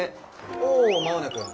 おおマウナくん。